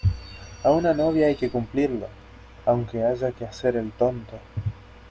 a una novia hay que cumplirlo, aunque haya que hacer el tonto